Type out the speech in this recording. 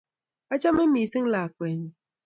acheme misiing lakweenyu